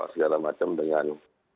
segala macam dengan